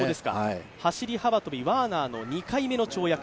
走幅跳、ワーナーの２回目の跳躍。